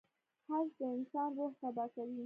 • حسد د انسان روح تباه کوي.